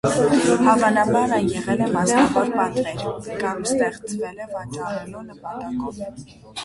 Հավանաբար այն եղել է մասնավոր պատվեր կամ ստեղծվել է վաճառելու նպատակով։